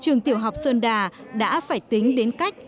trường tiểu học sơn đà đã phải tính đến cách